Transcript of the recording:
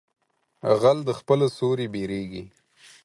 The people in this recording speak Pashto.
غل د خپله سوري بيرېږي.